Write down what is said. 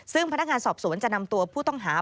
ซึ่งพนักงานสอบสวนจะนำตัวผู้ต้องหา